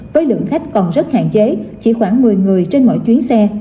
với lượng khách còn rất hạn chế chỉ khoảng một mươi người trên mỗi chuyến xe